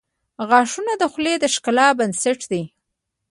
• غاښونه د خولې د ښکلا بنسټ دي.